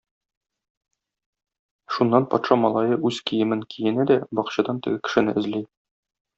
Шуннан патша малае үз киемен киенә дә бакчадан теге кешене эзли.